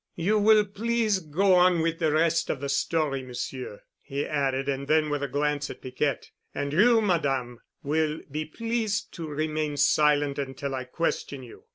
"You will please go on with the rest of the story, Monsieur," he added, and then with a glance at Piquette, "And you, Madame, will be pleased to remain silent until I question you.